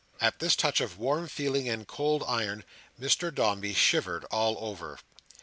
At this touch of warm feeling and cold iron, Mr Dombey shivered all over.